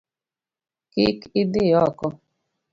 Kik idhi oko!